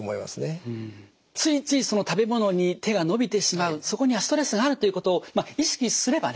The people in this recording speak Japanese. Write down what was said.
ついつい食べ物に手が伸びてしまうそこにはストレスがあるということを意識すればね